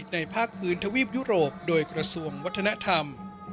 ภาคพื้นทวีปยุโรปโดยกระทรวงวัฒนธรรม